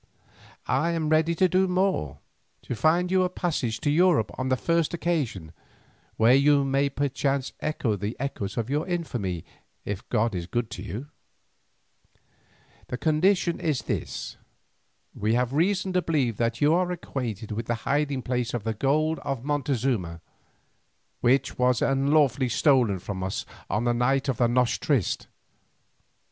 I am ready to do more, to find you a passage to Europe on the first occasion, where you may perchance escape the echoes of your infamy if God is good to you. The condition is this. We have reason to believe that you are acquainted with the hiding place of the gold of Montezuma, which was unlawfully stolen from us on the night of the noche triste.